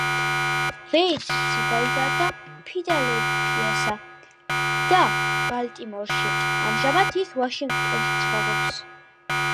ვეიტცი გაიზარდა ფილადელფიასა და ბალტიმორში, ამჟამად ის ვაშინგტონში ცხოვრობს.